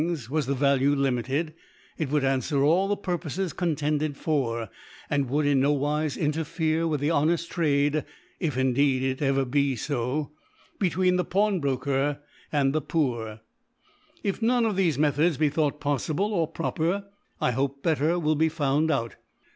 wa3 the Value limit ed, it woirid anfwer all the Purpofes con* tended for i and would in nowife interfere with the honeft Trade (if indeed it ever be fo) between the Pawnbroker and the Poor, if none of thefe Methods be thought pof« fible or proper, 1 hope better will be found but.